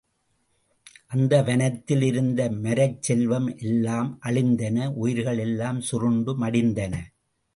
அந்த வனத்தில் இருந்த மரச்செல்வம் எல்லாம் அழிந்தன உயிர்கள் எல்லாம் சுருண்டு மடிந்தன.